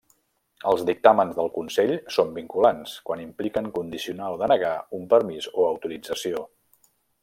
Els dictàmens del Consell són vinculants quan impliquen condicionar o denegar un permís o autorització.